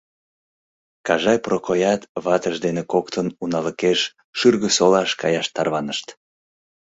Кажай Прокоят ватыж дене коктын уналыкеш Шӱргысолаш каяш тарванышт.